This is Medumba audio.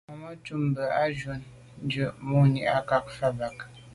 Màmá cúp mbə̄ bù jún ndʉ̌ʼ jí mû’ndʉ̀ à’ cák fá bə̀k.